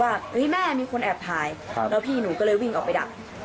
ว่าแม่มีคนแอบถ่ายแล้วพี่หนูก็เลยวิ่งออกไปดัก